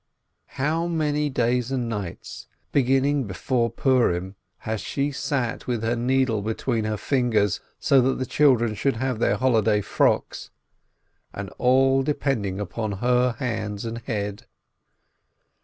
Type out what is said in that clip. How many days and nights, beginning before Purim, has she sat with her needle between her fingers, so that the children should have their holiday frocks — and all depending on her hands and head